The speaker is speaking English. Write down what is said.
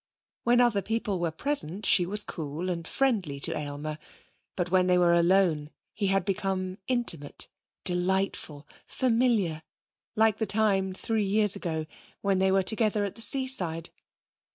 When other people were present she was cool and friendly to Aylmer, but when they were alone he had become intimate, delightful, familiar, like the time, three years ago, when they were together at the seaside.